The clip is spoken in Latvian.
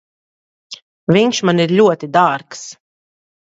Viņš man ir ļoti dārgs.